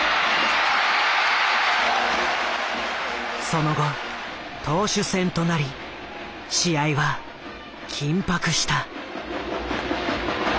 その後投手戦となり試合は緊迫した。